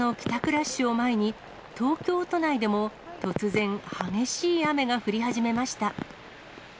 ラッシュを前に、東京都内でも突然、激しい雨が降り始めました。